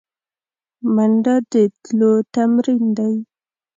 منډه د تلو تمرین دی